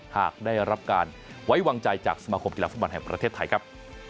หากได้รับการไว้วางใจจากสมาคมกีฬาฟุตบอลแห่งประเทศไทยครับ